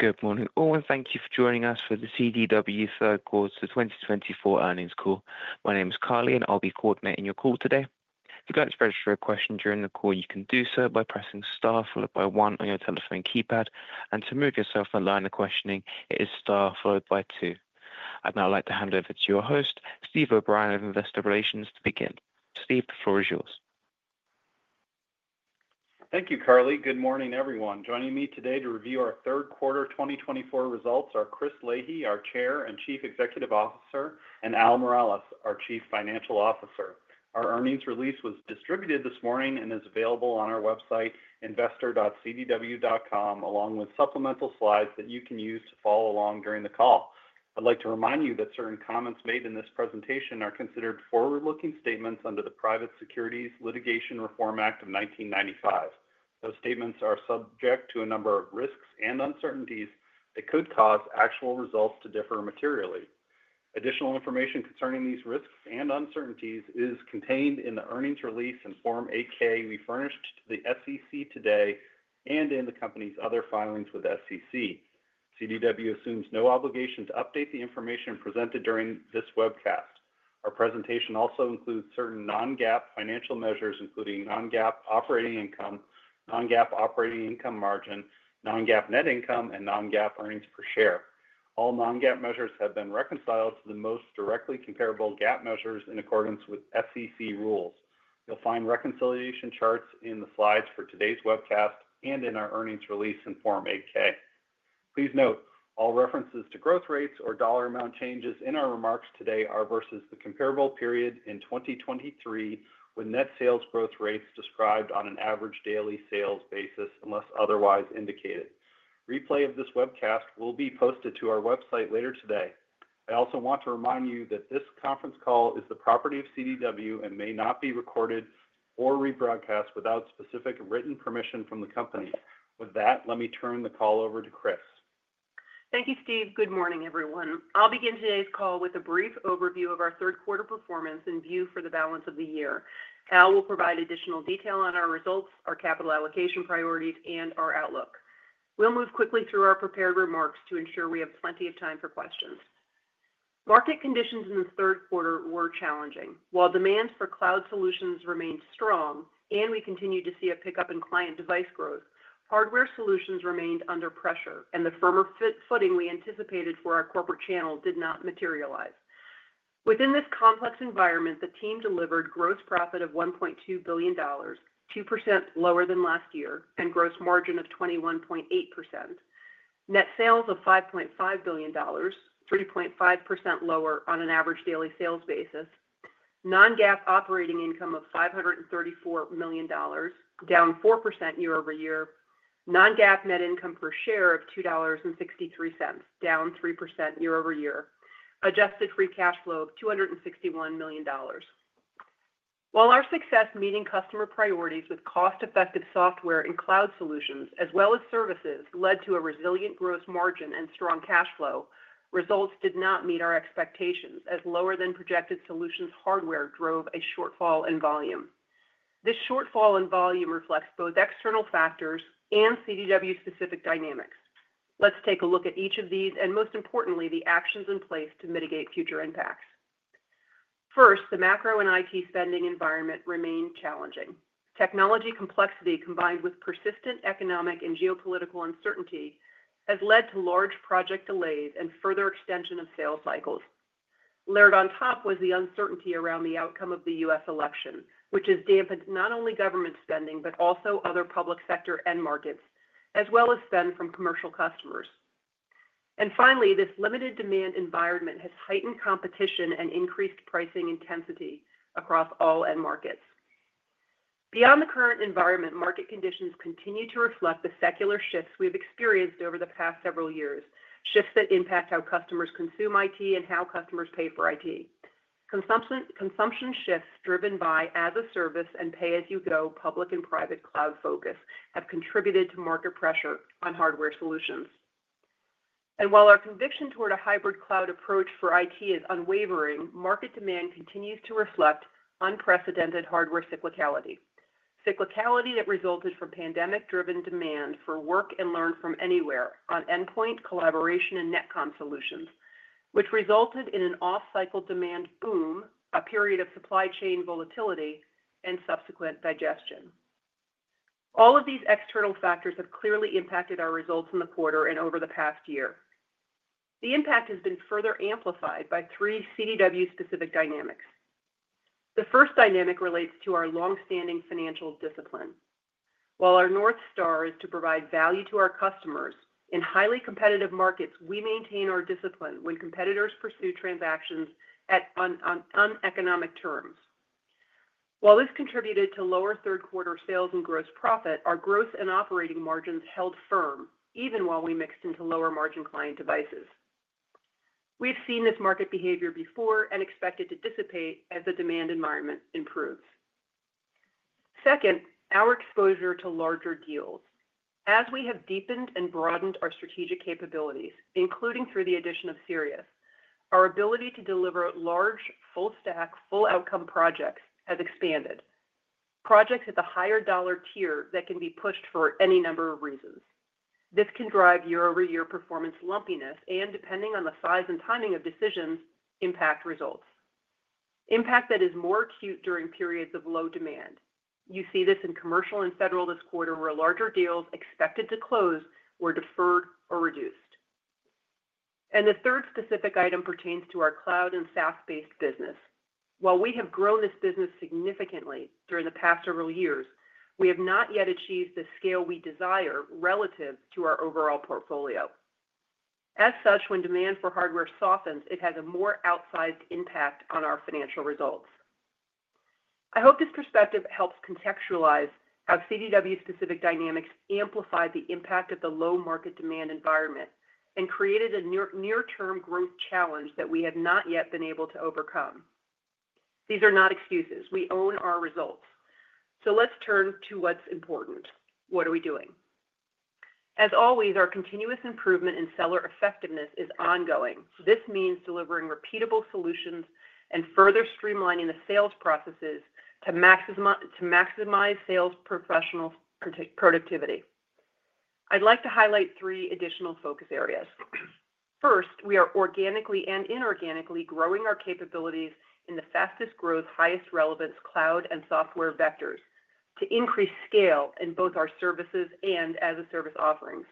Good morning, all, and thank you for joining us for the CDW third quarter 2024 earnings call. My name is Carly, and I'll be coordinating your call today. If you'd like to register a question during the call, you can do so by pressing star followed by one on your telephone keypad, and to move yourself out of questioning, it is star followed by two. I'd now like to hand over to your host, Steve O'Brien of Investor Relations, to begin. Steve, the floor is yours. Thank you, Carly. Good morning, everyone. Joining me today to review our third quarter 2024 results are Chris Leahy, our Chair and Chief Executive Officer, and Al Miralles, our Chief Financial Officer. Our earnings release was distributed this morning and is available on our website, investor.cdw.com, along with supplemental slides that you can use to follow along during the call. I'd like to remind you that certain comments made in this presentation are considered forward-looking statements under the Private Securities Litigation Reform Act of 1995. Those statements are subject to a number of risks and uncertainties that could cause actual results to differ materially. Additional information concerning these risks and uncertainties is contained in the earnings release and Form 8-K we furnished to the SEC today and in the company's other filings with SEC. CDW assumes no obligation to update the information presented during this webcast. Our presentation also includes certain non-GAAP financial measures, including non-GAAP operating income, non-GAAP operating income margin, non-GAAP net income, and non-GAAP earnings per share. All non-GAAP measures have been reconciled to the most directly comparable GAAP measures in accordance with SEC rules. You'll find reconciliation charts in the slides for today's webcast and in our earnings release and Form 8-K. Please note, all references to growth rates or dollar amount changes in our remarks today are versus the comparable period in 2023, with net sales growth rates described on an average daily sales basis unless otherwise indicated. Replay of this webcast will be posted to our website later today. I also want to remind you that this conference call is the property of CDW and may not be recorded or rebroadcast without specific written permission from the company. With that, let me turn the call over to Chris. Thank you, Steve. Good morning, everyone. I'll begin today's call with a brief overview of our third quarter performance and view for the balance of the year. Al will provide additional detail on our results, our capital allocation priorities, and our outlook. We'll move quickly through our prepared remarks to ensure we have plenty of time for questions. Market conditions in the third quarter were challenging. While demand cloud solutions remained strong and we continued to see a pickup in client device growth, hardware solutions remained under pressure, and the firmer footing we anticipated for our corporate channel did not materialize. Within this complex environment, the team delivered gross profit of $1.2 billion, 2% lower than last year, and gross margin of 21.8%. Net sales of $5.5 billion, 3.5% lower on an average daily sales basis. Non-GAAP operating income of $534 million, down 4% year-over-year. Non-GAAP net income per share of $2.63, down 3% year-over-year. Adjusted free cash flow of $261 million. While our success meeting customer priorities with cost-effective software cloud solutions, as well as services, led to a resilient gross margin and strong cash flow, results did not meet our expectations, as lower-than-projected solutions hardware drove a shortfall in volume. This shortfall in volume reflects both external factors and CDW-specific dynamics. Let's take a look at each of these, and most importantly, the actions in place to mitigate future impacts. First, the macro and IT spending environment remained challenging. Technology complexity, combined with persistent economic and geopolitical uncertainty, has led to large project delays and further extension of sales cycles. Layered on top was the uncertainty around the outcome of the U.S. Recession, which has dampened not only government spending but also other public sector end markets, as well as spend from commercial customers. And finally, this limited demand environment has heightened competition and increased pricing intensity across all end markets. Beyond the current environment, market conditions continue to reflect the secular shifts we've experienced over the past several years, shifts that impact how customers consume IT and how customers pay for IT. Consumption shifts driven by as-a-service and pay-as-you-go public and private cloud focus have contributed to market pressure on hardware solutions. And while our conviction toward a hybrid cloud approach for IT is unwavering, market demand continues to reflect unprecedented hardware cyclicality. Cyclicality that resulted from pandemic-driven demand for work and learn from anywhere on endpoint collaboration and NetComm solutions, which resulted in an off-cycle demand boom, a period of supply chain volatility, and subsequent digestion. All of these external factors have clearly impacted our results in the quarter and over the past year. The impact has been further amplified by three CDW-specific dynamics. The first dynamic relates to our longstanding financial discipline. While our north star is to provide value to our customers, in highly competitive markets, we maintain our discipline when competitors pursue transactions on uneconomic terms. While this contributed to lower third-quarter sales and gross profit, our gross and operating margins held firm, even while we mixed into lower-margin client devices. We've seen this market behavior before and expect it to dissipate as the demand environment improves. Second, our exposure to larger deals. As we have deepened and broadened our strategic capabilities, including through the addition of Sirius, our ability to deliver large, full-stack, full-outcome projects has expanded. Projects at the higher dollar tier that can be pushed for any number of reasons. This can drive year-over-year performance lumpiness and, depending on the size and timing of decisions, impact results. Impact that is more acute during periods of low demand. You see this in commercial and federal this quarter, where larger deals expected to close were deferred or reduced. And the third specific item pertains to our cloud and SaaS-based business. While we have grown this business significantly during the past several years, we have not yet achieved the scale we desire relative to our overall portfolio. As such, when demand for hardware softens, it has a more outsized impact on our financial results. I hope this perspective helps contextualize how CDW-specific dynamics amplified the impact of the low market demand environment and created a near-term growth challenge that we have not yet been able to overcome. These are not excuses. We own our results. So let's turn to what's important. What are we doing? As always, our continuous improvement in seller effectiveness is ongoing. This means delivering repeatable solutions and further streamlining the sales processes to maximize sales professional productivity. I'd like to highlight three additional focus areas. First, we are organically and inorganically growing our capabilities in the fastest growth, highest relevance cloud and software vectors to increase scale in both our services and as-a-service offerings.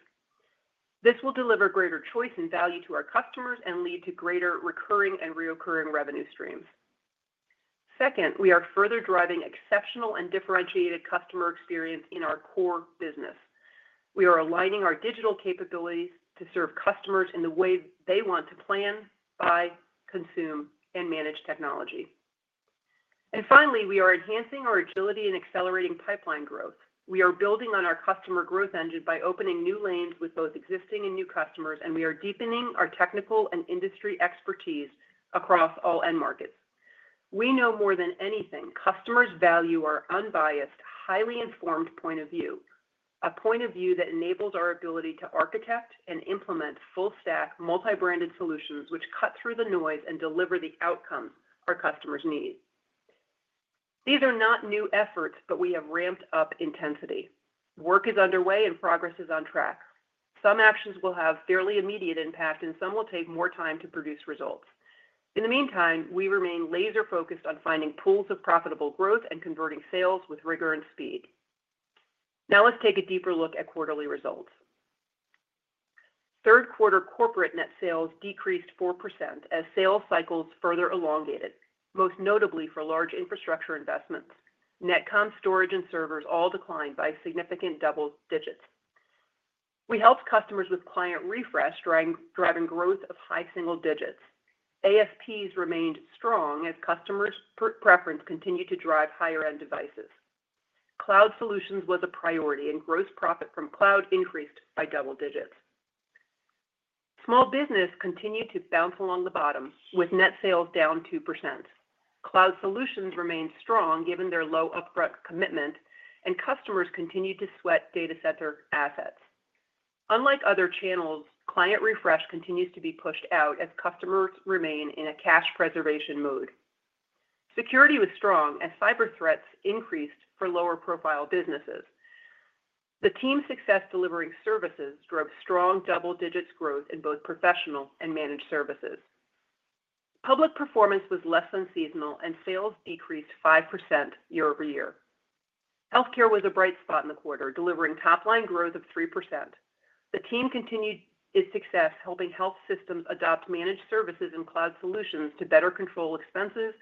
This will deliver greater choice and value to our customers and lead to greater recurring and reoccurring revenue streams. Second, we are further driving exceptional and differentiated customer experience in our core business. We are aligning our digital capabilities to serve customers in the way they want to plan, buy, consume, and manage technology, and finally, we are enhancing our agility and accelerating pipeline growth. We are building on our customer growth engine by opening new lanes with both existing and new customers, and we are deepening our technical and industry expertise across all end markets. We know more than anything. Customers value our unbiased, highly informed point of view, a point of view that enables our ability to architect and implement full-stack, multi-branded solutions which cut through the noise and deliver the outcomes our customers need. These are not new efforts, but we have ramped up intensity. Work is underway, and progress is on track. Some actions will have fairly immediate impact, and some will take more time to produce results. In the meantime, we remain laser-focused on finding pools of profitable growth and converting sales with rigor and speed. Now let's take a deeper look at quarterly results. Third-quarter corporate net sales decreased 4% as sales cycles further elongated, most notably for large infrastructure investments. NetComm, storage, and servers all declined by significant double digits. We helped customers with client refresh, driving growth of high single digits. ASPs remained strong as customers' preference continued to drive higher-end cloud solutions was a priority, and gross profit from cloud increased by double digits. Small business continued to bounce along the bottom with net sales down cloud solutions remained strong given their low upfront commitment, and customers continued to sweat data center assets. Unlike other channels, client refresh continues to be pushed out as customers remain in a cash preservation mode. Security was strong as cyber threats increased for lower-profile businesses. The team's success delivering services drove strong double-digit growth in both professional and managed services. Public performance was less than seasonal, and sales decreased 5% year-over-year. Healthcare was a bright spot in the quarter, delivering top-line growth of 3%. The team continued its success, helping health systems adopt managed services cloud solutions to better control expenses,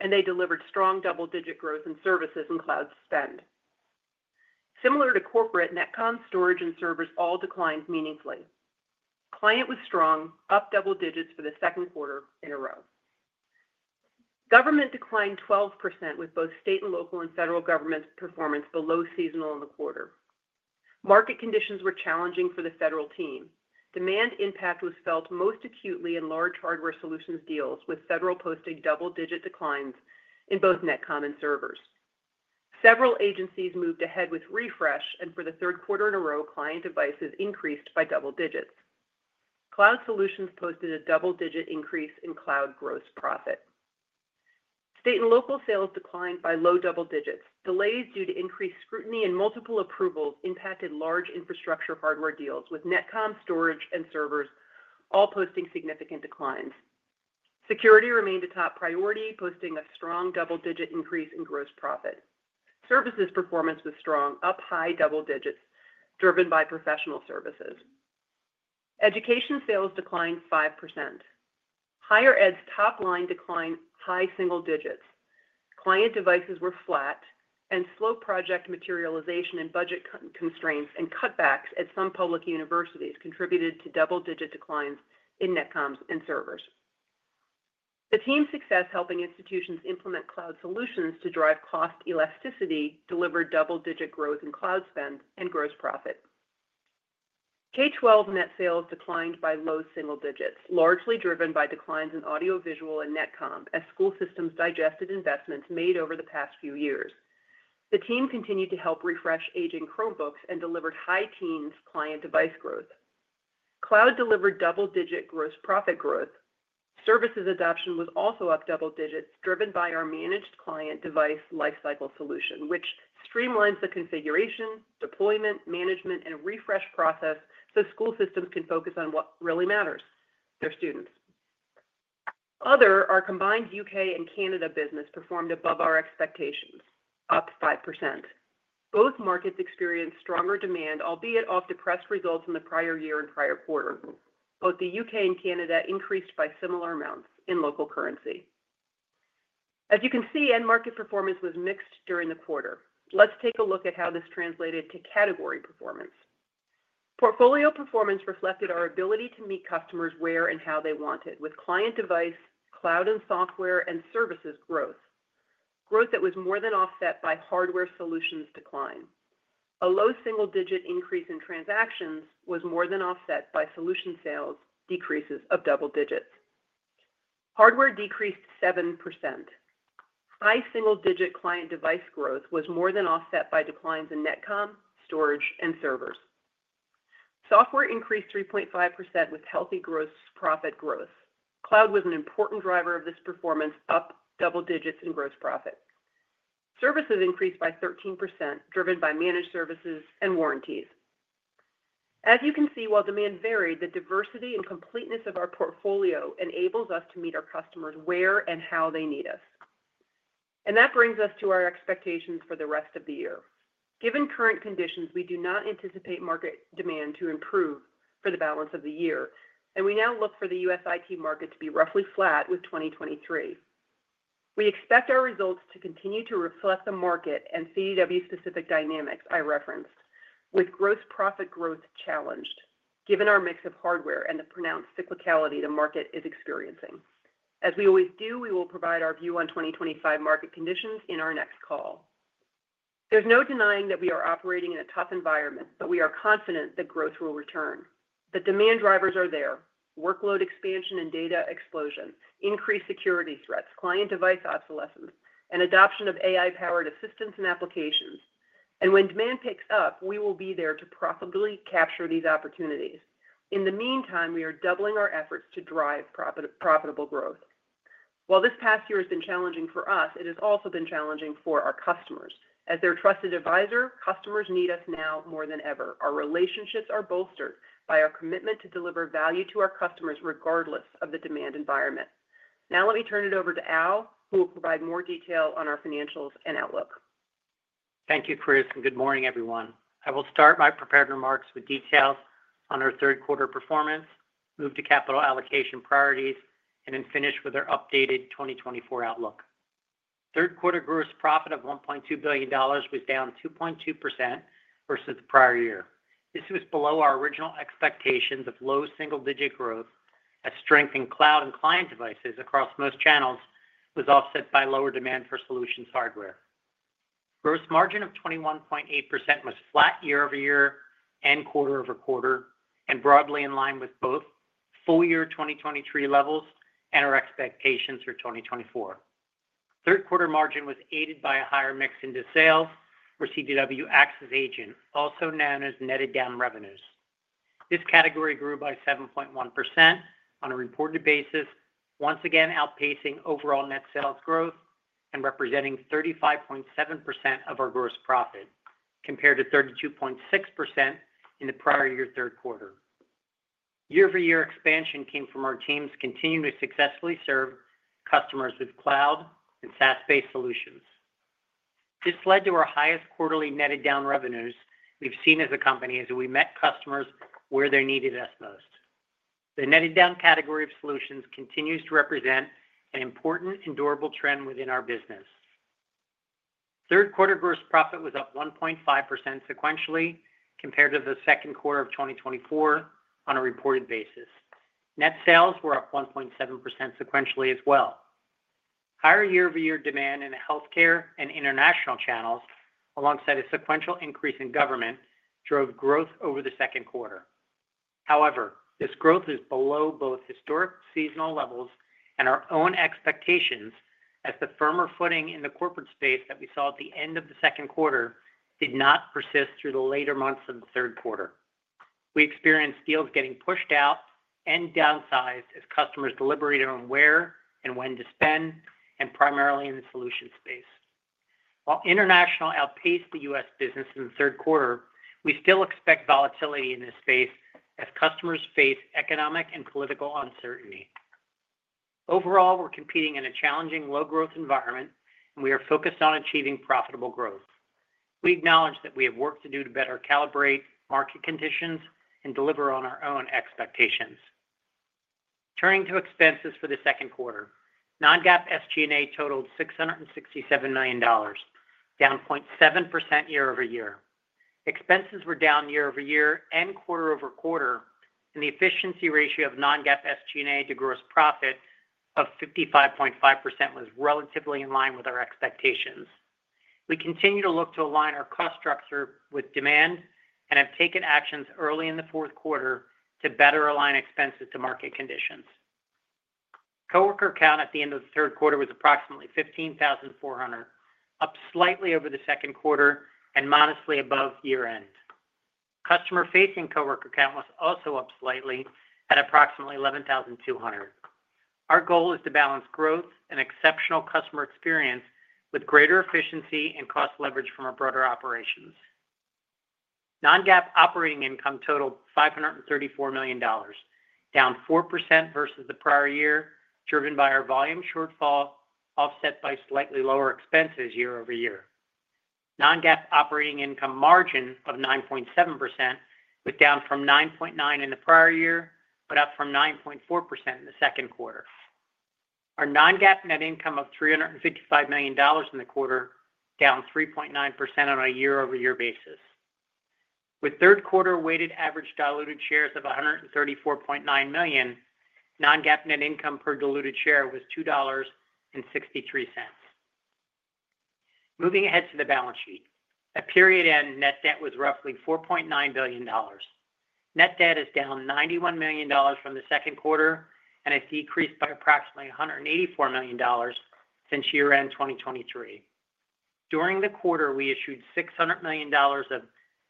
and they delivered strong double-digit growth in services and cloud spend. Similar to corporate, NetComm, storage, and servers all declined meaningfully. Client was strong, up double digits for the second quarter in a row. Government declined 12%, with both state and local and federal government performance below seasonal in the quarter. Market conditions were challenging for the federal team. Demand impact was felt most acutely in large hardware solutions deals, with federal posting double-digit declines in both NetComm and servers. Several agencies moved ahead with refresh, and for the third quarter in a row, client devices increased by double cloud solutions posted a double-digit increase in cloud gross profit. State and local sales declined by low double digits. Delays due to increased scrutiny and multiple approvals impacted large infrastructure hardware deals, with NetComm, storage, and servers all posting significant declines. Security remained a top priority, posting a strong double-digit increase in gross profit. Services performance was strong, up high double digits, driven by professional services. Education sales declined 5%. Higher ed's top-line declined high single digits. Client devices were flat, and slow project materialization and budget constraints and cutbacks at some public universities contributed to double-digit declines in NetComm and servers. The team's success helping institutions cloud solutions to drive cost elasticity delivered double-digit growth in cloud spend and gross profit. K-12 net sales declined by low single digits, largely driven by declines in audiovisual and NetComm as school systems digested investments made over the past few years. The team continued to help refresh aging Chromebooks and delivered high teens client device growth. cloud delivered double-digit gross profit growth. Services adoption was also up double digits, driven by our managed client device lifecycle solution, which streamlines the configuration, deployment, management, and refresh process so school systems can focus on what really matters: their students. Overall, our combined U.K. and Canada business performed above our expectations, up 5%. Both markets experienced stronger demand, albeit off depressed results in the prior year and prior quarter. Both the U.K. and Canada increased by similar amounts in local currency. As you can see, end market performance was mixed during the quarter. Let's take a look at how this translated to category performance. Portfolio performance reflected our ability to meet customers where and how they wanted, with client device, cloud, and software and services growth. Growth that was more than offset by hardware solutions decline. A low single-digit increase in transactions was more than offset by solution sales decreases of double digits. Hardware decreased 7%. High single-digit client device growth was more than offset by declines in NetComm, storage, and servers. Software increased 3.5% with healthy gross profit growth. cloud was an important driver of this performance, up double digits in gross profit. Services increased by 13%, driven by managed services and warranties. As you can see, while demand varied, the diversity and completeness of our portfolio enables us to meet our customers where and how they need us, and that brings us to our expectations for the rest of the year. Given current conditions, we do not anticipate market demand to improve for the balance of the year, and we now look for the U.S. IT market to be roughly flat with 2023. We expect our results to continue to reflect the market and CDW-specific dynamics I referenced, with gross profit growth challenged, given our mix of hardware and the pronounced cyclicality the market is experiencing. As we always do, we will provide our view on 2025 market conditions in our next call. There's no denying that we are operating in a tough environment, but we are confident that growth will return. The demand drivers are there: workload expansion and data explosion, increased security threats, client device obsolescence, and adoption of AI-powered assistance and applications. And when demand picks up, we will be there to profitably capture these opportunities. In the meantime, we are doubling our efforts to drive profitable growth. While this past year has been challenging for us, it has also been challenging for our customers. As their trusted advisor, customers need us now more than ever. Our relationships are bolstered by our commitment to deliver value to our customers regardless of the demand environment. Now let me turn it over to Al, who will provide more detail on our financials and outlook. Thank you, Chris, and good morning, everyone. I will start my prepared remarks with details on our third-quarter performance, move to capital allocation priorities, and then finish with our updated 2024 outlook. Third-quarter gross profit of $1.2 billion was down 2.2% versus the prior year. This was below our original expectations of low single-digit growth, as strength in cloud and client devices across most channels was offset by lower demand for solutions hardware. Gross margin of 21.8% was flat year-over-year and quarter-over-quarter, and broadly in line with both full-year 2023 levels and our expectations for 2024. Third-quarter margin was aided by a higher mix into sales for CDW XaaS Agent, also known as netted down revenues. This category grew by 7.1% on a reported basis, once again outpacing overall net sales growth and representing 35.7% of our gross profit, compared to 32.6% in the prior year third quarter. Year-over-year expansion came from our teams continuing to successfully serve customers with cloud and SaaS-based solutions. This led to our highest quarterly netted down revenues we've seen as a company as we met customers where they needed us most. The netted down category of solutions continues to represent an important and durable trend within our business. Third quarter gross profit was up 1.5% sequentially compared to the second quarter of 2024 on a reported basis. Net sales were up 1.7% sequentially as well. Higher year-over-year demand in healthcare and international channels, alongside a sequential increase in government, drove growth over the second quarter. However, this growth is below both historic seasonal levels and our own expectations as the firmer footing in the corporate space that we saw at the end of the second quarter did not persist through the later months of the third quarter. We experienced deals getting pushed out and downsized as customers deliberated on where and when to spend, and primarily in the solution space. While international outpaced the U.S. business in the third quarter, we still expect volatility in this space as customers face economic and political uncertainty. Overall, we're competing in a challenging low-growth environment, and we are focused on achieving profitable growth. We acknowledge that we have work to do to better calibrate market conditions and deliver on our own expectations. Turning to expenses for the second quarter, non-GAAP SG&A totaled $667 million, down 0.7% year-over-year. Expenses were down year-over-year and quarter-over-quarter, and the efficiency ratio of non-GAAP SG&A to gross profit of 55.5% was relatively in line with our expectations. We continue to look to align our cost structure with demand and have taken actions early in the fourth quarter to better align expenses to market conditions. Coworker count at the end of the third quarter was approximately 15,400, up slightly over the second quarter and modestly above year-end. Customer-facing coworker count was also up slightly at approximately 11,200. Our goal is to balance growth and exceptional customer experience with greater efficiency and cost leverage from our broader operations. Non-GAAP operating income totaled $534 million, down 4% versus the prior year, driven by our volume shortfall offset by slightly lower expenses year-over-year. Non-GAAP operating income margin of 9.7% was down from 9.9% in the prior year, but up from 9.4% in the second quarter. Our non-GAAP net income of $355 million in the quarter down 3.9% on a year-over-year basis. With third-quarter weighted average diluted shares of 134.9 million, non-GAAP net income per diluted share was $2.63. Moving ahead to the balance sheet, at period end, net debt was roughly $4.9 billion. Net debt is down $91 million from the second quarter and has decreased by approximately $184 million since year-end 2023. During the quarter, we issued $600 million of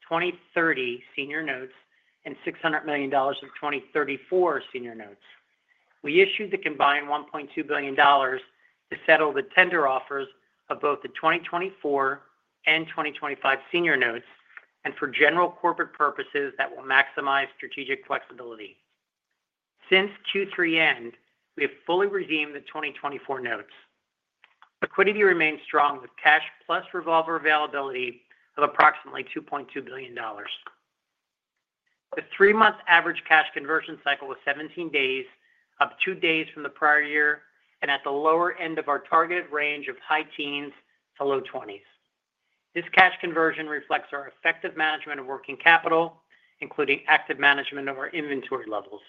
2030 senior notes and $600 million of 2034 senior notes. We issued the combined $1.2 billion to settle the tender offers of both the 2024 and 2025 senior notes and for general corporate purposes that will maximize strategic flexibility. Since Q3 end, we have fully redeemed the 2024 notes. Liquidity remains strong with cash plus revolver availability of approximately $2.2 billion. The three-month average cash conversion cycle was 17 days, up two days from the prior year, and at the lower end of our targeted range of high teens to low twenties. This cash conversion reflects our effective management of working capital, including active management of our inventory levels.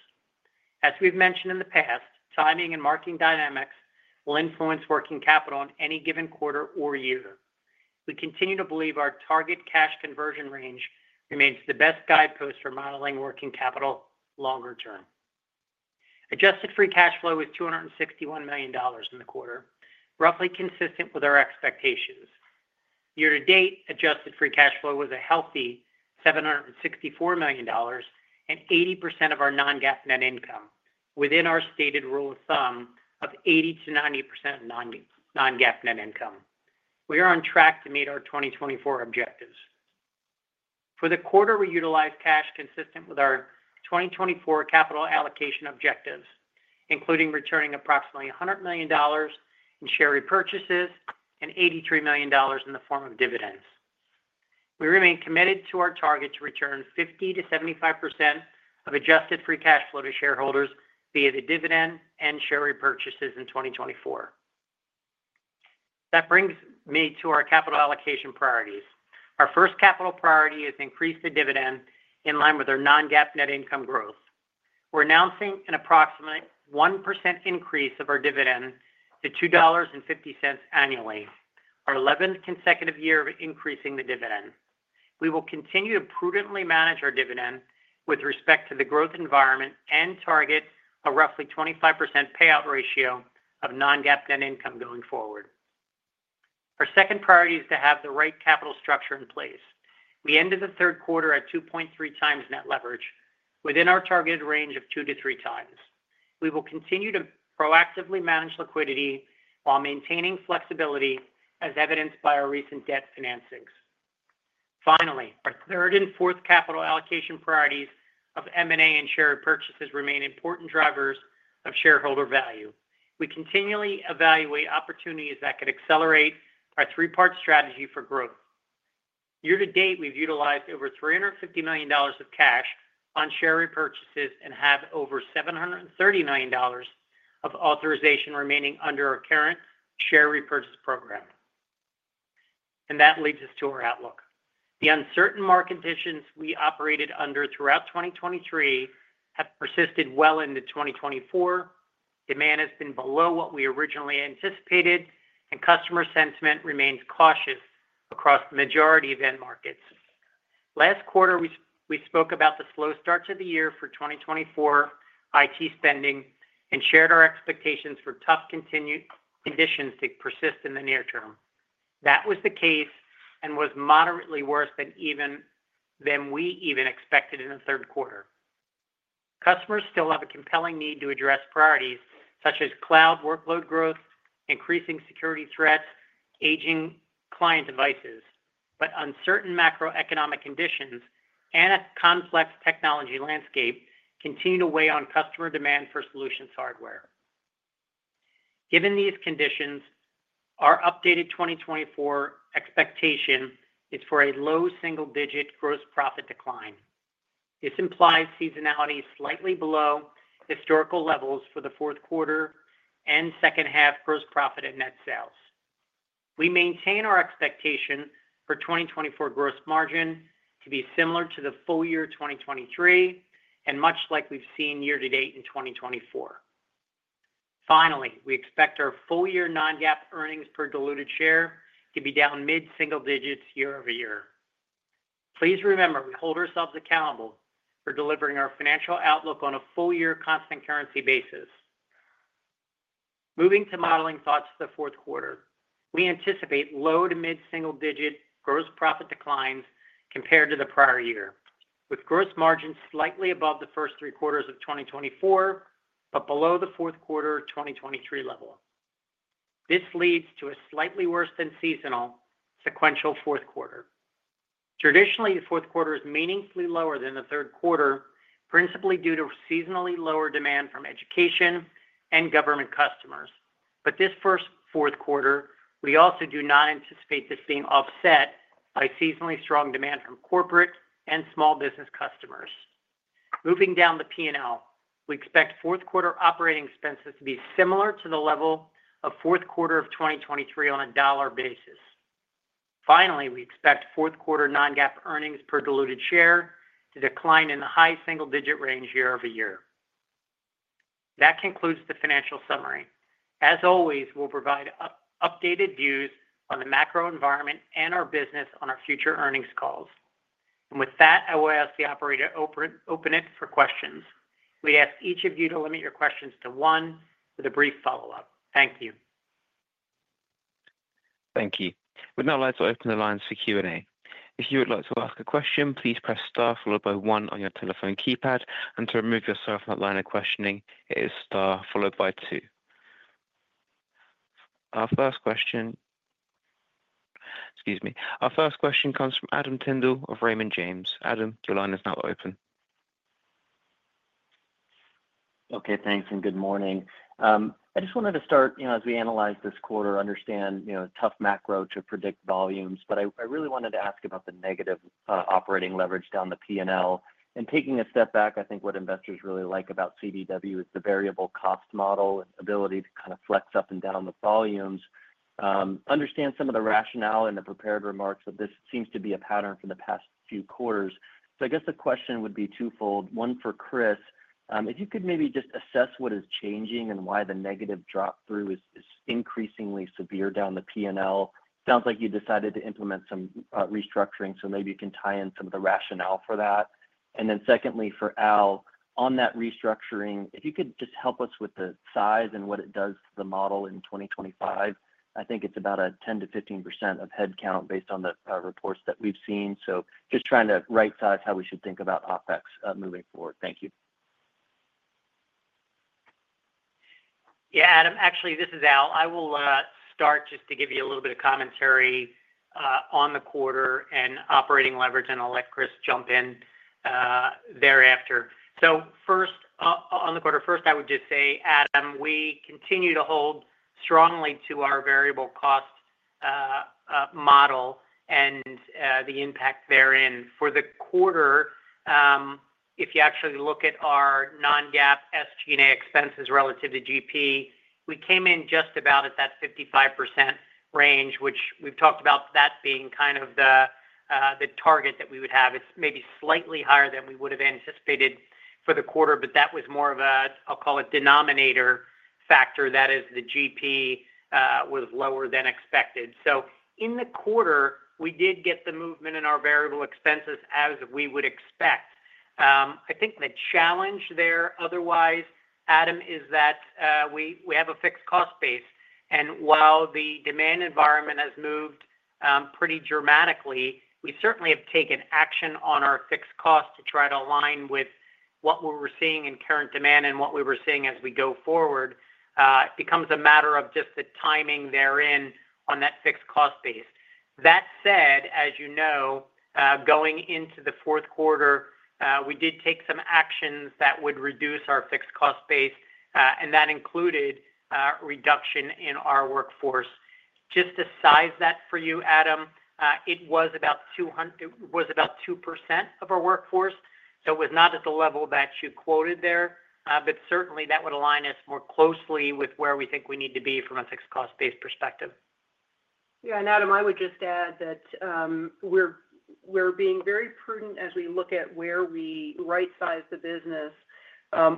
As we've mentioned in the past, timing and marketing dynamics will influence working capital in any given quarter or year. We continue to believe our target cash conversion range remains the best guidepost for modeling working capital longer term. Adjusted free cash flow was $261 million in the quarter, roughly consistent with our expectations. Year-to-date, adjusted free cash flow was a healthy $764 million and 80% of our Non-GAAP net income, within our stated rule of thumb of 80%-90% Non-GAAP net income. We are on track to meet our 2024 objectives. For the quarter, we utilized cash consistent with our 2024 capital allocation objectives, including returning approximately $100 million in share repurchases and $83 million in the form of dividends. We remain committed to our target to return 50%-75% of adjusted free cash flow to shareholders via the dividend and share repurchases in 2024. That brings me to our capital allocation priorities. Our first capital priority is to increase the dividend in line with our Non-GAAP net income growth. We're announcing an approximate 1% increase of our dividend to $2.50 annually, our 11th consecutive year of increasing the dividend. We will continue to prudently manage our dividend with respect to the growth environment and target a roughly 25% payout ratio of Non-GAAP net income going forward. Our second priority is to have the right capital structure in place. We ended the third quarter at 2.3x net leverage, within our targeted range of 2x-3.5x. We will continue to proactively manage liquidity while maintaining flexibility, as evidenced by our recent debt financings. Finally, our third and fourth capital allocation priorities of M&A and share repurchases remain important drivers of shareholder value. We continually evaluate opportunities that could accelerate our three-part strategy for growth. Year-to-date, we've utilized over $350 million of cash on share repurchases and have over $730 million of authorization remaining under our current share repurchase program. And that leads us to our outlook. The uncertain market conditions we operated under throughout 2023 have persisted well into 2024. Demand has been below what we originally anticipated, and customer sentiment remains cautious across the majority of end markets. Last quarter, we spoke about the slow start to the year for 2024 IT spending and shared our expectations for tough conditions to persist in the near term. That was the case and was moderately worse than we even expected in the third quarter. Customers still have a compelling need to address priorities such as cloud workload growth, increasing security threats, aging client devices, but uncertain macroeconomic conditions and a complex technology landscape continue to weigh on customer demand for solutions hardware. Given these conditions, our updated 2024 expectation is for a low single-digit gross profit decline. This implies seasonality slightly below historical levels for the fourth quarter and second-half gross profit and net sales. We maintain our expectation for 2024 gross margin to be similar to the full year 2023 and much like we've seen year-to-date in 2024. Finally, we expect our full-year Non-GAAP earnings per diluted share to be down mid-single digits year-over-year. Please remember, we hold ourselves accountable for delivering our financial outlook on a full-year constant currency basis. Moving to modeling thoughts for the fourth quarter, we anticipate low to mid-single digit gross profit declines compared to the prior year, with gross margins slightly above the first three quarters of 2024 but below the fourth quarter of 2023 level. This leads to a slightly worse than seasonal sequential fourth quarter. Traditionally, the fourth quarter is meaningfully lower than the third quarter, principally due to seasonally lower demand from education and government customers. But this first fourth quarter, we also do not anticipate this being offset by seasonally strong demand from corporate and small business customers. Moving down the P&L, we expect fourth quarter operating expenses to be similar to the level of fourth quarter of 2023 on a dollar basis. Finally, we expect fourth quarter non-GAAP earnings per diluted share to decline in the high single-digit range year-over-year. That concludes the financial summary. As always, we'll provide updated views on the macro environment and our business on our future earnings calls. And with that, I will ask the operator to open it for questions. We ask each of you to limit your questions to one with a brief follow-up. Thank you. Thank you. We'd now like to open the lines for Q&A. If you would like to ask a question, please press star followed by one on your telephone keypad, and to remove yourself from that line of questioning, it is star followed by two. Our first question, excuse me, our first question comes from Adam Tindle of Raymond James. Adam, your line is now open. Okay, thanks, and good morning. I just wanted to start, you know, as we analyze this quarter, understand, you know, tough macro to predict volumes, but I really wanted to ask about the negative operating leverage down the P&L. And taking a step back, I think what investors really like about CDW is the variable cost model and ability to kind of flex up and down the volumes. Understand some of the rationale and the prepared remarks that this seems to be a pattern for the past few quarters. So I guess the question would be twofold. One for Chris, if you could maybe just assess what is changing and why the negative drop through is increasingly severe down the P&L. Sounds like you decided to implement some restructuring, so maybe you can tie in some of the rationale for that. Then secondly, for Al, on that restructuring, if you could just help us with the size and what it does to the model in 2025. I think it's about a 10%-15% of headcount based on the reports that we've seen. So just trying to right-size how we should think about OpEx moving forward. Thank you. Yeah, Adam, actually, this is Al. I will start just to give you a little bit of commentary on the quarter and operating leverage, and I'll let Chris jump in thereafter. So first, on the quarter, first, I would just say, Adam, we continue to hold strongly to our variable cost model and the impact therein. For the quarter, if you actually look at our non-GAAP SG&A expenses relative to GP, we came in just about at that 55% range, which we've talked about that being kind of the target that we would have. It's maybe slightly higher than we would have anticipated for the quarter, but that was more of a, I'll call it, denominator factor. That is, the GP was lower than expected. So in the quarter, we did get the movement in our variable expenses as we would expect. I think the challenge there otherwise, Adam, is that we have a fixed cost base. And while the demand environment has moved pretty dramatically, we certainly have taken action on our fixed cost to try to align with what we were seeing in current demand and what we were seeing as we go forward. It becomes a matter of just the timing therein on that fixed cost base. That said, as you know, going into the fourth quarter, we did take some actions that would reduce our fixed cost base, and that included a reduction in our workforce. Just to size that for you, Adam, it was about 2% of our workforce, so it was not at the level that you quoted there, but certainly that would align us more closely with where we think we need to be from a fixed cost base perspective. Yeah, and Adam, I would just add that we're being very prudent as we look at where we right-size the business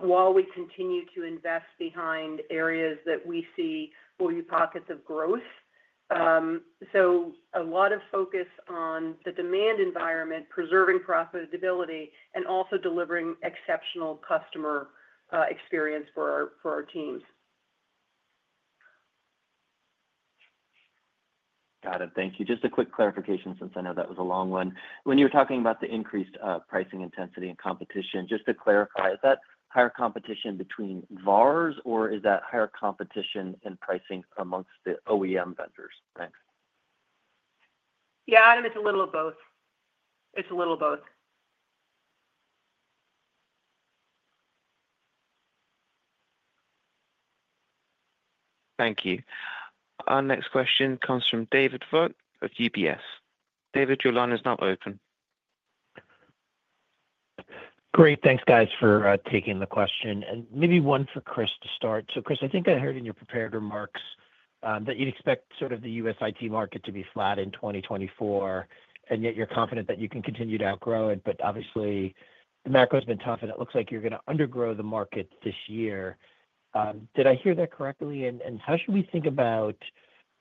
while we continue to invest behind areas that we see will be pockets of growth. So a lot of focus on the demand environment, preserving profitability, and also delivering exceptional customer experience for our teams. Got it. Thank you. Just a quick clarification since I know that was a long one. When you were talking about the increased pricing intensity and competition, just to clarify, is that higher competition between VARs or is that higher competition and pricing amongst the OEM vendors? Thanks. Yeah, Adam, it's a little of both. It's a little of both. Thank you. Our next question comes from David Vogt of UBS. David, your line is now open. Great. Thanks, guys, for taking the question. And maybe one for Chris to start. So Chris, I think I heard in your prepared remarks that you'd expect sort of the U.S. IT market to be flat in 2024, and yet you're confident that you can continue to outgrow it. But obviously, the macro has been tough, and it looks like you're going to undergrow the market this year. Did I hear that correctly? And how should we think about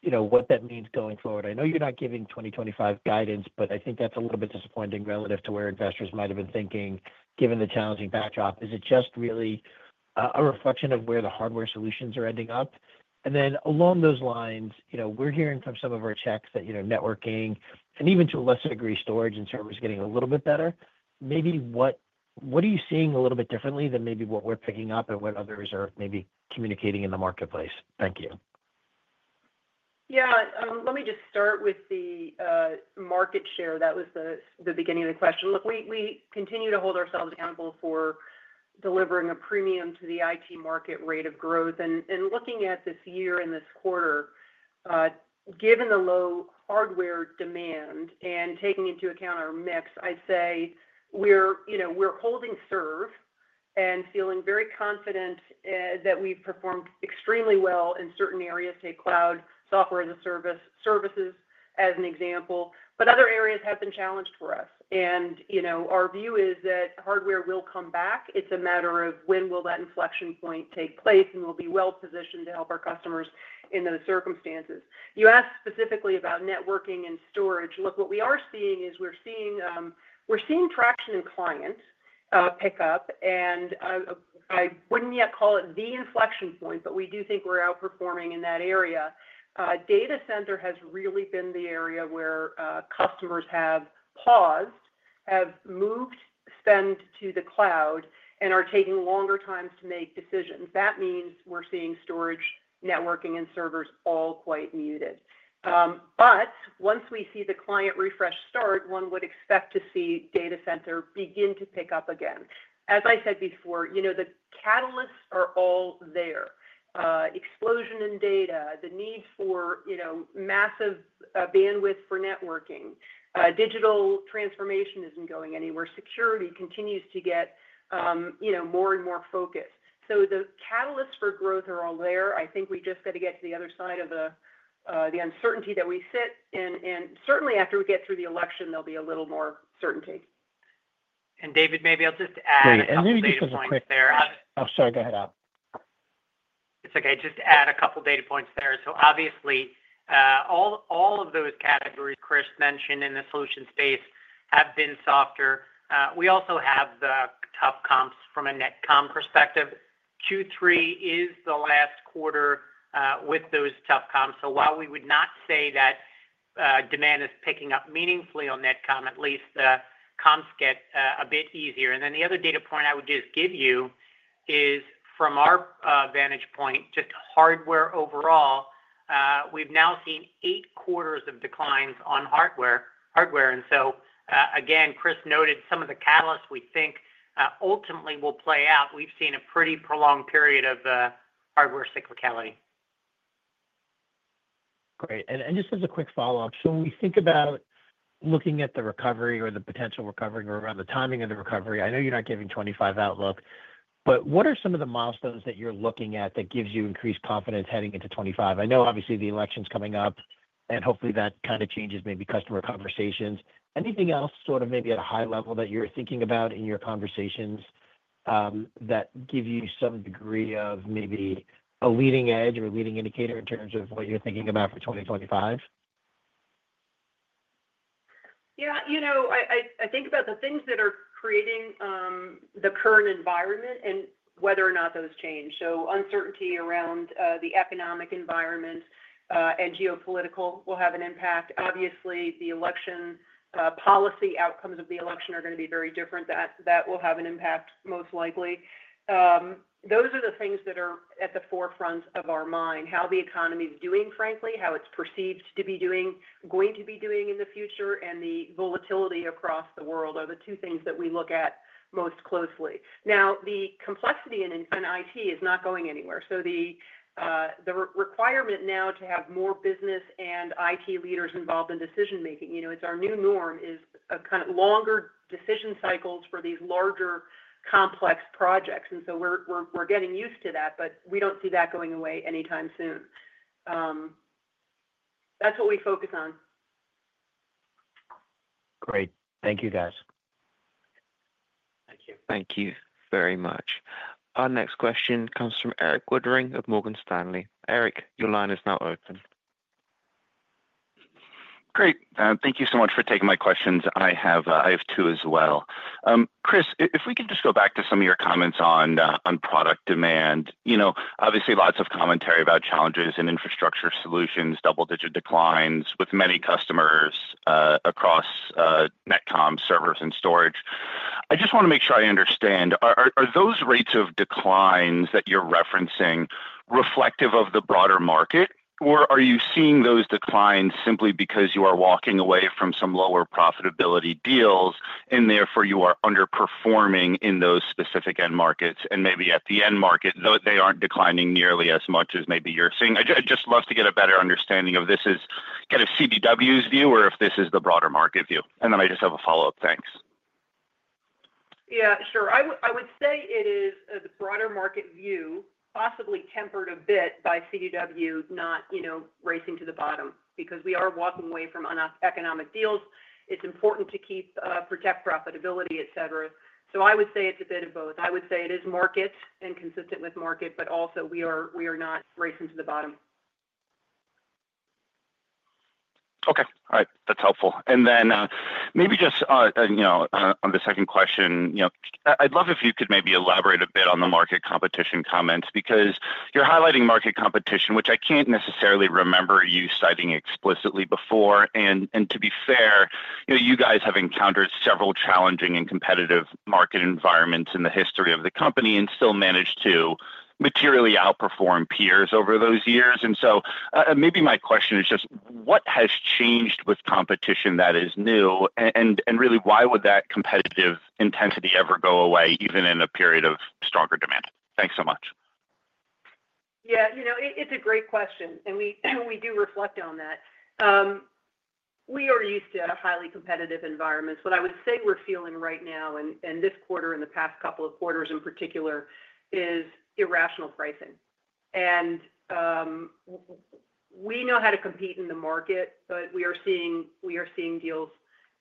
what that means going forward? I know you're not giving 2025 guidance, but I think that's a little bit disappointing relative to where investors might have been thinking, given the challenging backdrop. Is it just really a reflection of where the hardware solutions are ending up? And then along those lines, we're hearing from some of our checks that networking and even to a lesser degree, storage and servers getting a little bit better. Maybe what are you seeing a little bit differently than maybe what we're picking up and what others are maybe communicating in the marketplace? Thank you. Yeah, let me just start with the market share. That was the beginning of the question. Look, we continue to hold ourselves accountable for delivering a premium to the IT market rate of growth. Looking at this year and this quarter, given the low hardware demand and taking into account our mix, I'd say we're holding serve and feeling very confident that we've performed extremely well in certain areas. Take cloud, software as a service, services as an example. But other areas have been challenged for us. Our view is that hardware will come back. It's a matter of when will that inflection point take place, and we'll be well positioned to help our customers in those circumstances. You asked specifically about networking and storage. Look, what we are seeing is we're seeing traction in client pickup, and I wouldn't yet call it the inflection point, but we do think we're outperforming in that area. Data center has really been the area where customers have paused, have moved spend to the cloud, and are taking longer times to make decisions. That means we're seeing storage, networking, and servers all quite muted. But once we see the client refresh start, one would expect to see data center begin to pick up again. As I said before, the catalysts are all there: explosion in data, the need for massive bandwidth for networking, digital transformation isn't going anywhere. Security continues to get more and more focused. So the catalysts for growth are all there. I think we just got to get to the other side of the uncertainty that we sit. And certainly, after we get through the election, there'll be a little more certainty. And David, maybe I'll just add a few data points there. I'm sorry, go ahead, Al. It's okay. Just add a couple of data points there. So obviously, all of those categories Chris mentioned in the solution space have been softer. We also have the tough comps from a net comp perspective. Q3 is the last quarter with those tough comps. So while we would not say that demand is picking up meaningfully on net comp, at least the comps get a bit easier. And then the other data point I would just give you is from our vantage point, just hardware overall, we've now seen eight quarters of declines on hardware. And so again, Chris noted some of the catalysts we think ultimately will play out. We've seen a pretty prolonged period of hardware cyclicality. Great. And just as a quick follow-up, so when we think about looking at the recovery or the potential recovery or around the timing of the recovery, I know you're not giving 2025 outlook, but what are some of the milestones that you're looking at that gives you increased confidence heading into 2025? I know obviously the election's coming up, and hopefully that kind of changes maybe customer conversations. Anything else sort of maybe at a high level that you're thinking about in your conversations that gives you some degree of maybe a leading edge or leading indicator in terms of what you're thinking about for 2025? Yeah, I think about the things that are creating the current environment and whether or not those change. So uncertainty around the economic environment and geopolitical will have an impact. Obviously, the election policy outcomes of the election are going to be very different. That will have an impact most likely. Those are the things that are at the forefront of our mind: how the economy is doing, frankly, how it's perceived to be doing, going to be doing in the future, and the volatility across the world are the two things that we look at most closely. Now, the complexity in IT is not going anywhere. So the requirement now to have more business and IT leaders involved in decision-making, it's our new norm, is kind of longer decision cycles for these larger complex projects. And so we're getting used to that, but we don't see that going away anytime soon. That's what we focus on. Great. Thank you, guys. Thank you. Thank you very much. Our next question comes from Erik Woodring of Morgan Stanley. Eric, your line is now open. Great. Thank you so much for taking my questions. I have two as well. Chris, if we can just go back to some of your comments on product demand. Obviously, lots of commentary about challenges in infrastructure solutions, double-digit declines with many customers across net comp, servers, and storage. I just want to make sure I understand. Are those rates of declines that you're referencing reflective of the broader market, or are you seeing those declines simply because you are walking away from some lower profitability deals and therefore you are underperforming in those specific end markets? And maybe at the end market, they aren't declining nearly as much as maybe you're seeing. I'd just love to get a better understanding of this as kind of CDW's view or if this is the broader market view. And then I just have a follow-up. Thanks. Yeah, sure. I would say it is the broader market view, possibly tempered a bit by CDW not racing to the bottom because we are walking away from economic deals. It's important to keep protecting profitability, etc. So I would say it's a bit of both. I would say it is market and consistent with market, but also we are not racing to the bottom.' Okay. All right. That's helpful. And then maybe just on the second question, I'd love if you could maybe elaborate a bit on the market competition comments because you're highlighting market competition, which I can't necessarily remember you citing explicitly before. And to be fair, you guys have encountered several challenging and competitive market environments in the history of the company and still managed to materially outperform peers over those years. And so maybe my question is just, what has changed with competition that is new, and really why would that competitive intensity ever go away even in a period of stronger demand? Thanks so much. Yeah, it's a great question, and we do reflect on that. We are used to highly competitive environments. What I would say we're feeling right now, and this quarter and the past couple of quarters in particular, is irrational pricing. And we know how to compete in the market, but we are seeing deals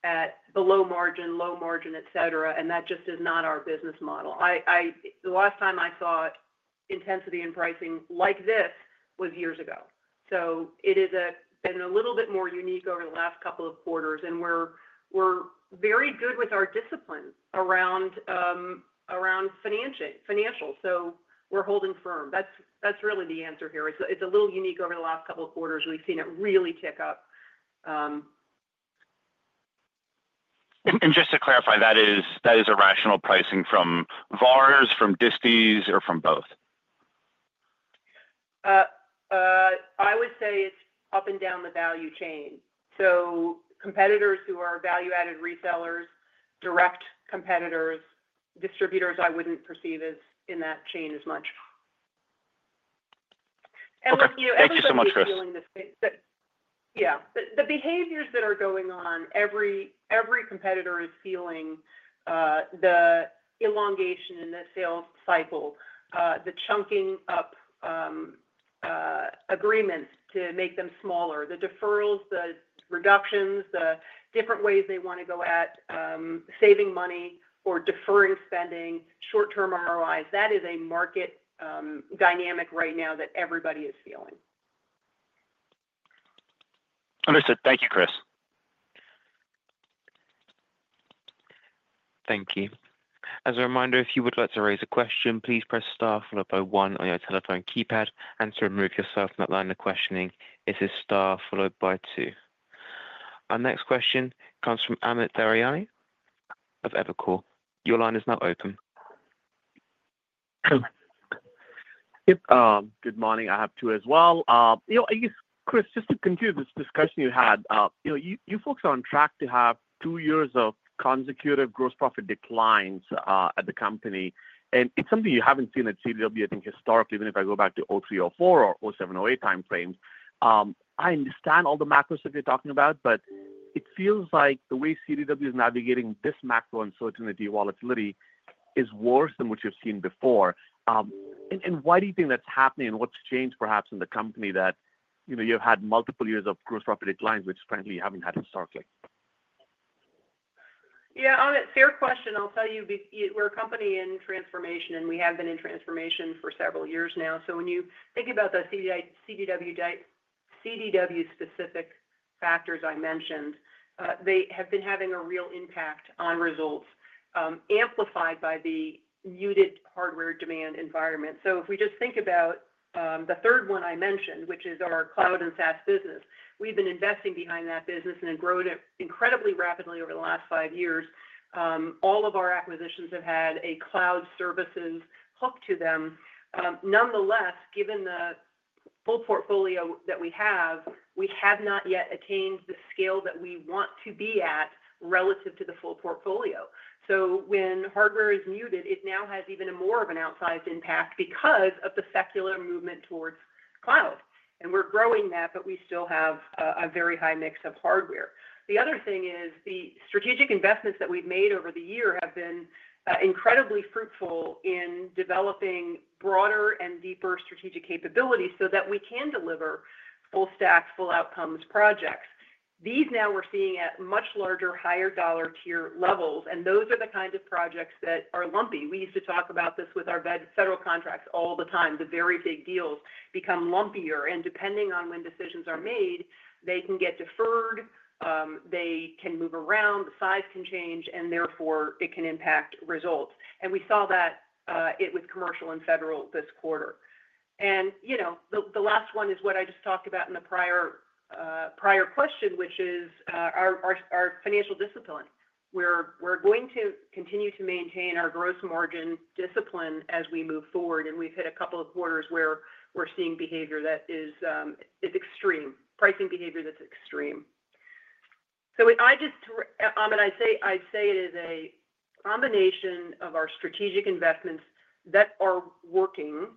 at below margin, low margin, etc., and that just is not our business model. The last time I saw intensity in pricing like this was years ago. So it has been a little bit more unique over the last couple of quarters, and we're very good with our discipline around financials. So we're holding firm. That's really the answer here. It's a little unique over the last couple of quarters. We've seen it really tick up. And just to clarify, that is irrational pricing from VARs, from distribs, or from both? I would say it's up and down the value chain. So competitors who are value-added resellers, direct competitors, distributors, I wouldn't perceive as in that chain as much. And look, everybody's feeling the same. Thank you so much, Chris. Yeah. The behaviors that are going on, every competitor is feeling the elongation in the sales cycle, the chunking up agreements to make them smaller, the deferrals, the reductions, the different ways they want to go at saving money or deferring spending, short-term ROIs. That is a market dynamic right now that everybody is feeling. Understood. Thank you, Chris. Thank you. As a reminder, if you would like to raise a question, please press star followed by one on your telephone keypad and to remove yourself from that line of questioning. This is star followed by two. Our next question comes from Amit Daryanani of Evercore ISI. Your line is now open. Good morning. I have two as well. Chris, just to continue this discussion you had, you're on track to have two years of consecutive gross profit declines at the company. And it's something you haven't seen at CDW, I think, historically, even if I go back to 2003, 2004, or 2007, 2008 timeframes. I understand all the macros that you're talking about, but it feels like the way CDW is navigating this macro uncertainty while it's a little worse than what you've seen before. And why do you think that's happening? What's changed perhaps in the company that you've had multiple years of gross profit declines, which apparently you haven't had historically? Yeah. It's a fair question, I'll tell you, we're a company in transformation, and we have been in transformation for several years now. So when you think about the CDW-specific factors I mentioned, they have been having a real impact on results, amplified by the muted hardware demand environment. So if we just think about the third one I mentioned, which is our cloud and SaaS business, we've been investing behind that business and growing it incredibly rapidly over the last five years. All of our acquisitions have had cloud services hooked to them. Nonetheless, given the full portfolio that we have, we have not yet attained the scale that we want to be at relative to the full portfolio. When hardware is muted, it now has even more of an outsized impact because of the secular movement towards cloud. We're growing that, but we still have a very high mix of hardware. The other thing is the strategic investments that we've made over the year have been incredibly fruitful in developing broader and deeper strategic capabilities so that we can deliver full-stack, full-outcomes projects. These now we're seeing at much larger, higher dollar-tier levels, and those are the kinds of projects that are lumpy. We used to talk about this with our federal contracts all the time. The very big deals become lumpier, and depending on when decisions are made, they can get deferred, they can move around, the size can change, and therefore it can impact results. We saw that with commercial and federal this quarter. And the last one is what I just talked about in the prior question, which is our financial discipline. We're going to continue to maintain our gross margin discipline as we move forward, and we've hit a couple of quarters where we're seeing behavior that is extreme, pricing behavior that's extreme. So I just, Amit, I'd say it is a combination of our strategic investments that are working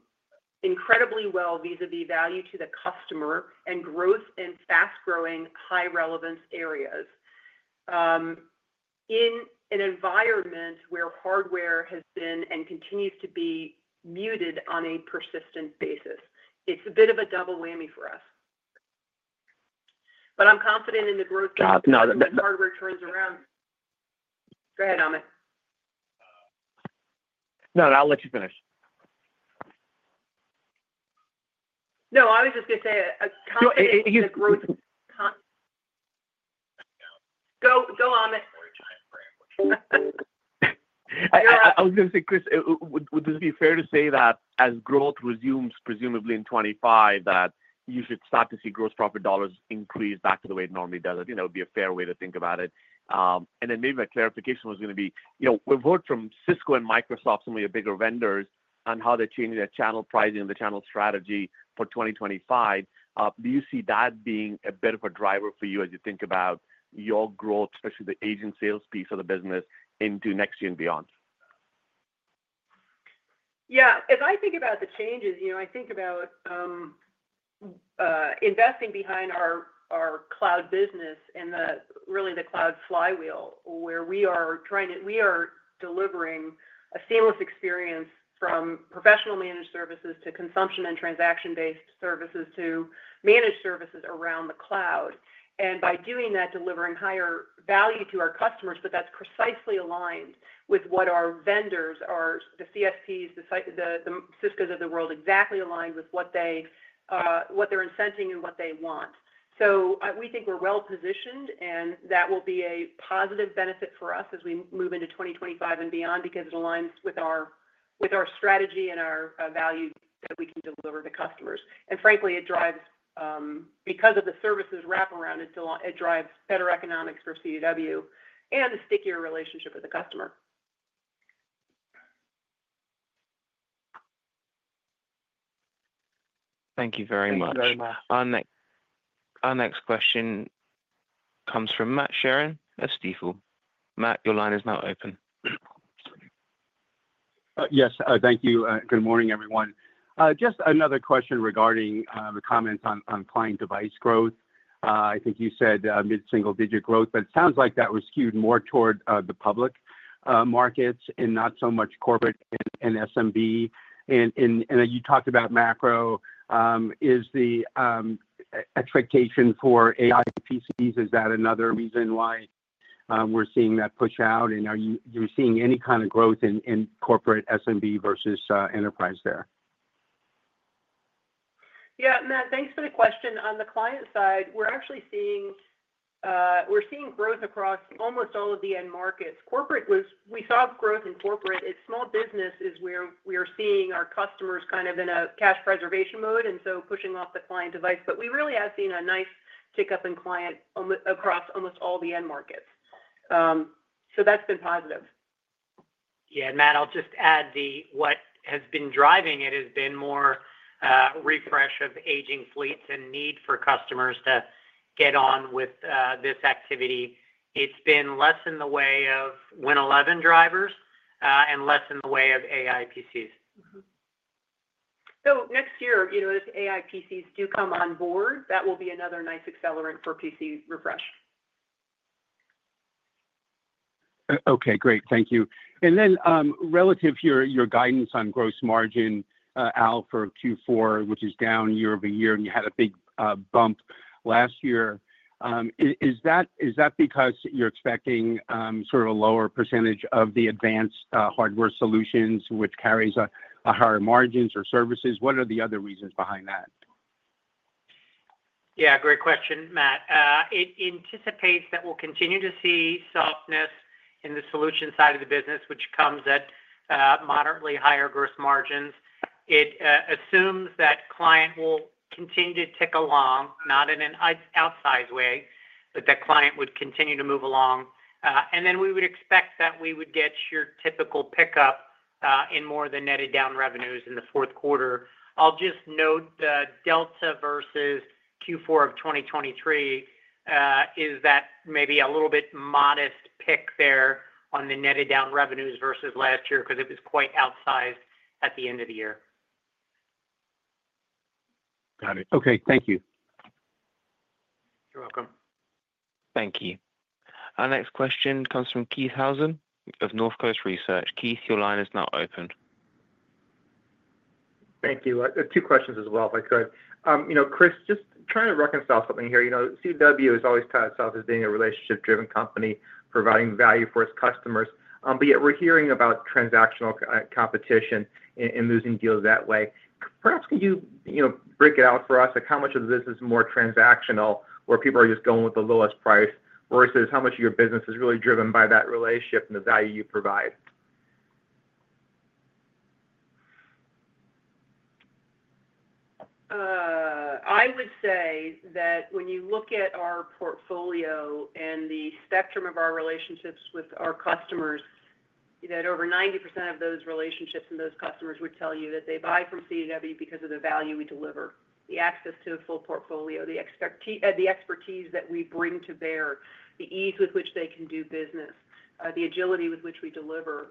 incredibly well vis-à-vis value to the customer and growth and fast-growing, high-relevance areas in an environment where hardware has been and continues to be muted on a persistent basis. It's a bit of a double whammy for us. But I'm confident in the growth. No, the hardware turns around. Go ahead, Amit. No, no, I'll let you finish. No, I was just going to say a timeframe that growth. Go on, Amit. I was going to say, Chris, would this be fair to say that as growth resumes presumably in 2025, that you should start to see gross profit dollars increase back to the way it normally does? I think that would be a fair way to think about it. And then maybe my clarification was going to be, we've heard from Cisco and Microsoft, some of your bigger vendors, on how they're changing their channel pricing and the channel strategy for 2025. Do you see that being a bit of a driver for you as you think about your growth, especially the agent sales piece of the business into next year and beyond? Yeah. As I think about the changes, I think about investing behind our cloud business and really the cloud flywheel where we are delivering a seamless experience from professional managed services to consumption and transaction-based services to managed services around the cloud. And by doing that, delivering higher value to our customers, but that's precisely aligned with what our vendors, the CSPs, the Ciscos of the world, exactly aligned with what they're incenting and what they want. So we think we're well-positioned, and that will be a positive benefit for us as we move into 2025 and beyond because it aligns with our strategy and our value that we can deliver to customers. And frankly, it drives, because of the services wraparound, it drives better economics for CDW and a stickier relationship with the customer. Thank you very much. Thank you very much. Our next question comes from Matt Sheerin at Stifel. Matt, your line is now open. Yes. Thank you. Good morning, everyone. Just another question regarding the comments on client device growth. I think you said mid-single-digit growth, but it sounds like that was skewed more toward the public markets and not so much corporate and SMB. And you talked about macro. Is the expectation for AI PCs, is that another reason why we're seeing that push out? And are you seeing any kind of growth in corporate SMB versus enterprise there? Yeah. Matt, thanks for the question. On the client side, we're actually seeing growth across almost all of the end markets. We saw growth in corporate. It's small business is where we are seeing our customers kind of in a cash preservation mode and so pushing off the client device. But we really have seen a nice tick up in client across almost all the end markets. So that's been positive. Yeah. And Matt, I'll just add what has been driving it has been more refresh of aging fleets and need for customers to get on with this activity. It's been less in the way of Win 11 drivers and less in the way of AI PCs. So next year, if AI PCs do come on board, that will be another nice accelerant for PC refresh. Okay. Great. Thank you. And then relative to your guidance on gross margin, Al, for Q4, which is down year-over-year, and you had a big bump last year, is that because you're expecting sort of a lower percentage of the advanced hardware solutions, which carries a higher margin or services? What are the other reasons behind that? Yeah. Great question, Matt. It anticipates that we'll continue to see softness in the solution side of the business, which comes at moderately higher gross margins. It assumes that client will continue to tick along, not in an outsized way, but that client would continue to move along. And then we would expect that we would get your typical pickup in more of the netted down revenues in the fourth quarter. I'll just note the delta versus Q4 of 2023 is that maybe a little bit modest pick there on the netted down revenues versus last year because it was quite outsized at the end of the year. Got it. Okay. Thank you. You're welcome. Thank you. Our next question comes from Keith Housum of Northcoast Research. Keith, your line is now open. Thank you. Two questions as well, if I could. Chris, just trying to reconcile something here. CDW has always touted itself as being a relationship-driven company providing value for its customers, but yet we're hearing about transactional competition and losing deals that way. Perhaps you could break it out for us? How much of this is more transactional where people are just going with the lowest price versus how much of your business is really driven by that relationship and the value you provide? I would say that when you look at our portfolio and the spectrum of our relationships with our customers, that over 90% of those relationships and those customers would tell you that they buy from CDW because of the value we deliver, the access to a full portfolio, the expertise that we bring to bear, the ease with which they can do business, the agility with which we deliver.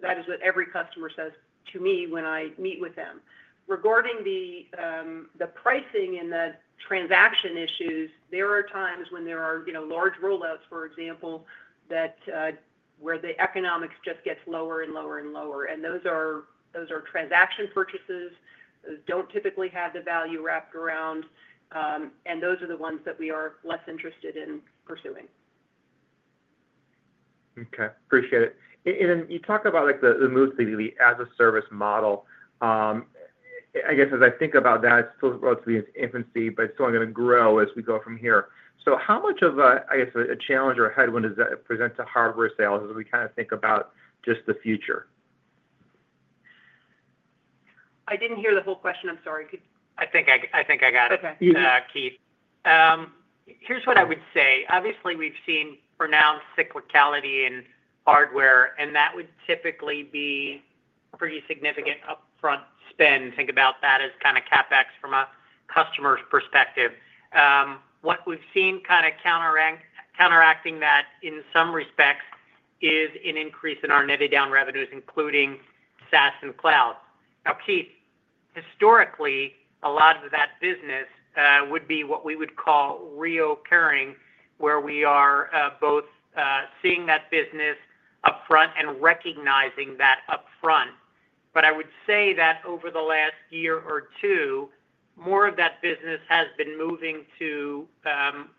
That is what every customer says to me when I meet with them. Regarding the pricing and the transaction issues, there are times when there are large rollouts, for example, where the economics just gets lower and lower and lower. And those are transaction purchases that don't typically have the value wrapped around, and those are the ones that we are less interested in pursuing. Okay. Appreciate it. And then you talk about the move to the as-a-service model. I guess as I think about that, it's still relatively in its infancy, but it's still going to grow as we go from here. So how much of a, I guess, a challenge or a headwind does that present to hardware sales as we kind of think about just the future? I didn't hear the whole question. I'm sorry. I think I got it. Keith, here's what I would say. Obviously, we've seen pronounced cyclicality in hardware, and that would typically be pretty significant upfront spend. Think about that as kind of CapEx from a customer's perspective. What we've seen kind of counteracting that in some respects is an increase in our netted down revenues, including SaaS and cloud. Now, Keith, historically, a lot of that business would be what we would call recurring, where we are both seeing that business upfront and recognizing that upfront. But I would say that over the last year or two, more of that business has been moving to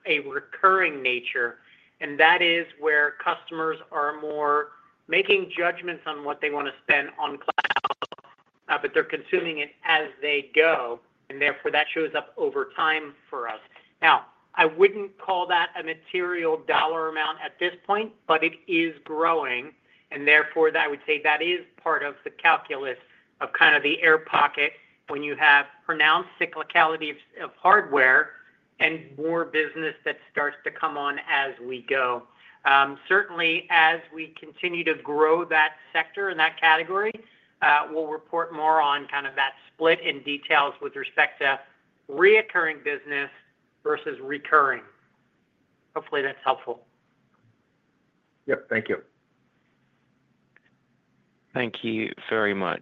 a recurring nature, and that is where customers are more making judgments on what they want to spend on cloud, but they're consuming it as they go, and therefore that shows up over time for us. Now, I wouldn't call that a material dollar amount at this point, but it is growing, and therefore I would say that is part of the calculus of kind of the air pocket when you have pronounced cyclicality of hardware and more business that starts to come on as we go. Certainly, as we continue to grow that sector and that category, we'll report more on kind of that split in details with respect to recurring business versus recurring. Hopefully, that's helpful. Yep. Thank you. Thank you very much.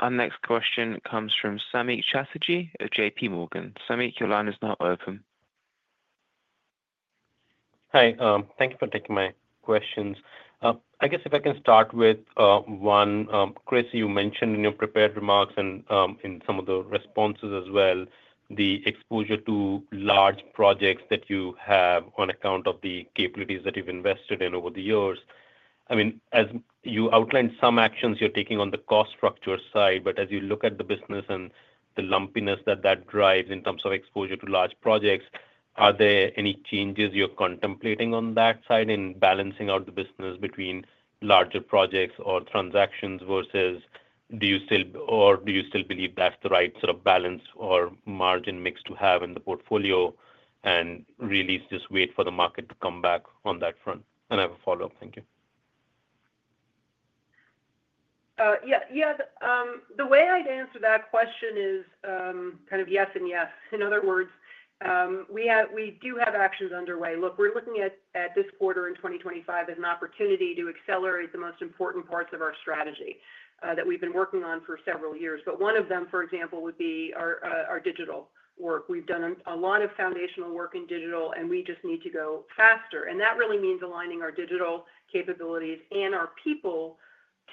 Our next question comes from Samik Chatterjee of JPMorgan. Samik, your line is now open. Hi. Thank you for taking my questions. I guess if I can start with one. Chris, you mentioned in your prepared remarks and in some of the responses as well, the exposure to large projects that you have on account of the capabilities that you've invested in over the years. I mean, as you outlined some actions you're taking on the cost structure side, but as you look at the business and the lumpiness that that drives in terms of exposure to large projects, are there any changes you're contemplating on that side in balancing out the business between larger projects or transactions versus do you still or do you still believe that's the right sort of balance or margin mix to have in the portfolio and really just wait for the market to come back on that front? I have a follow-up. Thank you. Yeah. The way I'd answer that question is kind of yes and yes. In other words, we do have actions underway. Look, we're looking at this quarter in 2025 as an opportunity to accelerate the most important parts of our strategy that we've been working on for several years. But one of them, for example, would be our digital work. We've done a lot of foundational work in digital, and we just need to go faster. And that really means aligning our digital capabilities and our people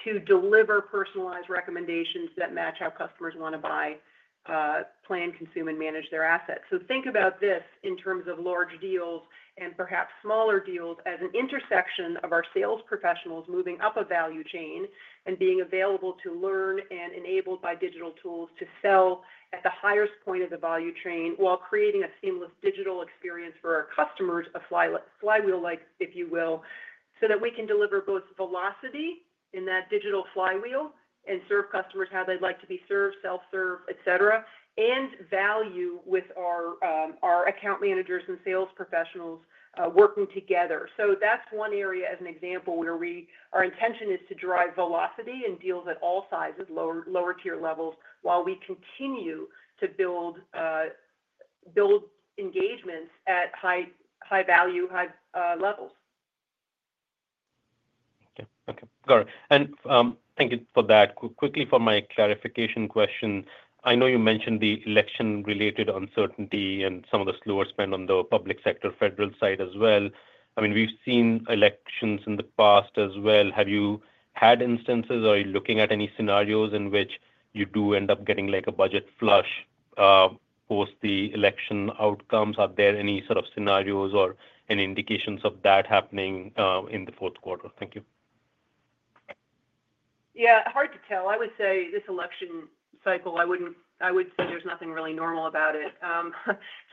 to deliver personalized recommendations that match how customers want to buy, plan, consume, and manage their assets. So think about this in terms of large deals and perhaps smaller deals as an intersection of our sales professionals moving up a value chain and being available to learn and enabled by digital tools to sell at the highest point of the value chain while creating a seamless digital experience for our customers, a flywheel-life, if you will, so that we can deliver both velocity in that digital flywheel and serve customers how they'd like to be served, self-serve, etc., and value with our account managers and sales professionals working together. So that's one area as an example where our intention is to drive velocity in deals at all sizes, lower tier levels, while we continue to build engagements at high value, high levels. Okay. Okay. Got it. And thank you for that. Quickly, for my clarification question, I know you mentioned the election-related uncertainty and some of the slower spend on the public sector federal side as well. I mean, we've seen elections in the past as well. Have you had instances? Are you looking at any scenarios in which you do end up getting a budget flush post the election outcomes? Are there any sort of scenarios or any indications of that happening in the fourth quarter? Thank you. Yeah. Hard to tell. I would say this election cycle, I would say there's nothing really normal about it.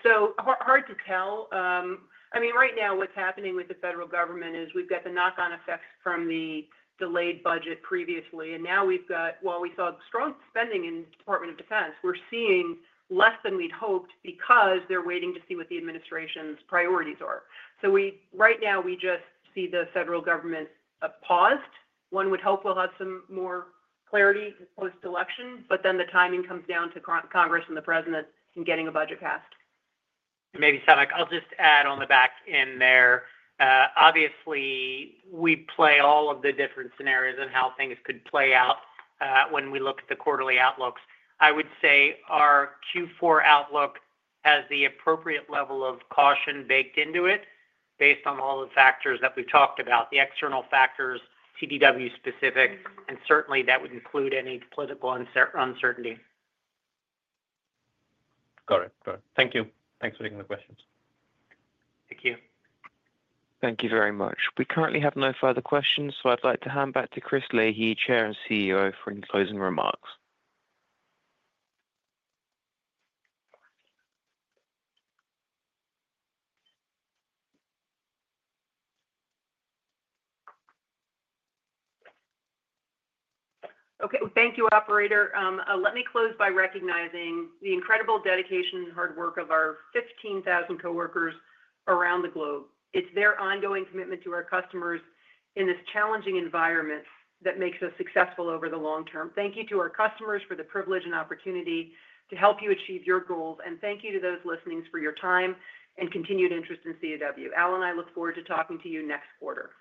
So hard to tell. I mean, right now, what's happening with the federal government is we've got the knock-on effects from the delayed budget previously. And now we've got, while we saw strong spending in the Department of Defense, we're seeing less than we'd hoped because they're waiting to see what the administration's priorities are. So right now, we just see the federal government paused. One would hope we'll have some more clarity post-election, but then the timing comes down to Congress and the president in getting a budget passed. Maybe Samik, I'll just add on the back in there. Obviously, we play all of the different scenarios and how things could play out when we look at the quarterly outlooks. I would say our Q4 outlook has the appropriate level of caution baked into it based on all the factors that we've talked about, the external factors, CDW specific, and certainly that would include any political uncertainty. Got it. Got it. Thank you. Thanks for taking the questions. Thank you. Thank you very much. We currently have no further questions, so I'd like to hand back to Chris Leahy, Chair and CEO, for any closing remarks. Okay. Thank you, Operator. Let me close by recognizing the incredible dedication and hard work of our 15,000 coworkers around the globe. It's their ongoing commitment to our customers in this challenging environment that makes us successful over the long term. Thank you to our customers for the privilege and opportunity to help you achieve your goals. And thank you to those listening for your time and continued interest in CDW. Al and I look forward to talking to you next quarter.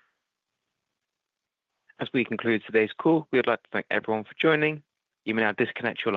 As we conclude today's call, we'd like to thank everyone for joining. You may now disconnect your.